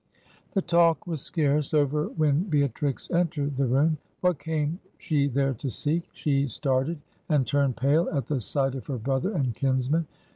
"The talk was scarce over when Beatrix entered the room. What came she there to seek? She started and turned pale at the sight of her brother and kinsman.